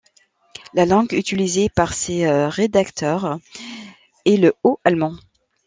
La langue utilisée par ses rédacteurs est le haut-allemand.